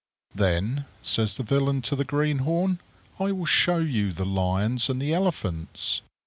"Then," says the villain to the greenhorn, "I will show you the lions and the elephants."